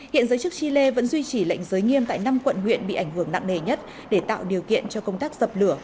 hiện giới chức chile vẫn duy trì lệnh giới nghiêm tại năm quận huyện bị ảnh hưởng nặng nề nhất để tạo điều kiện cho công tác dập lửa